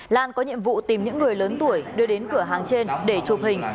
lan có nhiệm vụ tìm những người lớn tuổi đưa đến cửa hàng trên để chụp hình